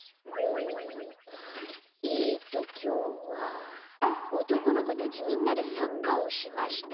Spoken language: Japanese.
えっときょうは「おとこの子たちみんなでサッカーをしました」か。